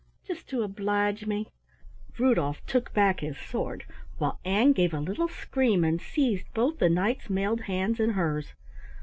Just to oblige me?" Rudolf took back his sword, while Ann gave a little scream and seized both the Knight's mailed hands in hers.